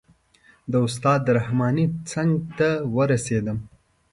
د استاد رحماني څنګ ته ور ورسېدم.